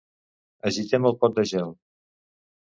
Agitem el pot de gel.